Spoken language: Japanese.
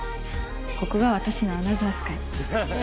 ここが私のアナザースカイ。